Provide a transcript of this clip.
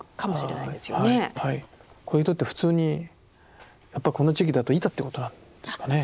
こういう人って普通にやっぱりこの地域だといたということなんですかね。